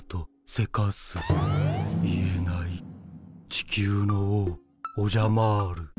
地球の王オジャマール。